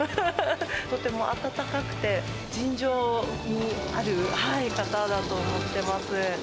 とても温かくて、人情味ある方だと思ってます。